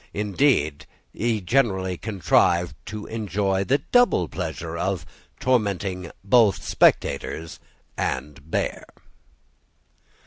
Indeed, he generally contrived to enjoy the double pleasure of tormenting both spectators and bear.